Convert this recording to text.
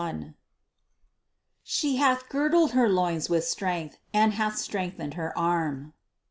"She hath girdled her loins with strength, and hath strengthened her arm."